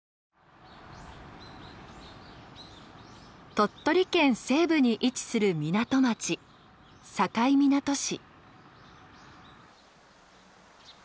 鳥取県西部に位置する港町境港市。